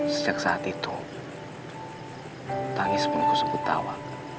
sejak saat itu tangis pun ku sebut tawa